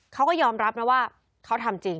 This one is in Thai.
เขาก็ยอมรับนะว่าเขาทำจริง